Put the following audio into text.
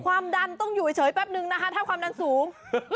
ความดันต้องอยู่เฉยแป๊บนึงนะคะถ้าความดันสูง